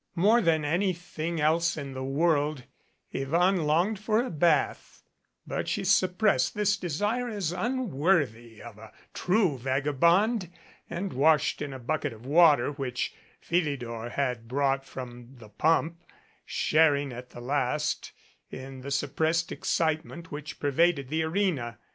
More than anything else in the world, Yvonne longed for a bath, but she suppressed this desire as unworthy of a true vagabond and washed in a bucket of water which Philidor had brought from the pump, sharing at the last in the suppressed excitement which pervaded the arena.